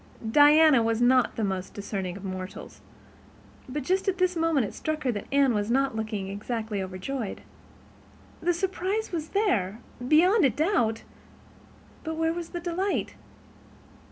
Diana was not the most discerning of mortals, but just at this moment it struck her that Anne was not looking exactly overjoyed. The surprise was there, beyond doubt—but where was the delight?